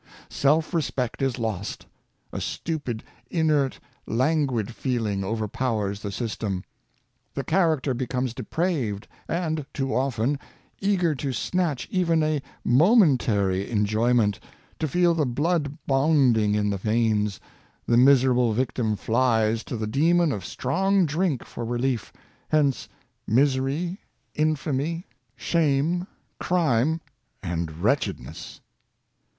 Self respect is lost; a stupid, inert, languid feeling overpowers the system, the character becomes depraved, and too often — eager to snatch even 46 Wholesome Homes Necessary, a momentary enjoyment, to feel the blood bounding in the veins — the miserable victim flies to the demon of strong drink for relief, hence, misery, infamy, shame, crime and wretchedness.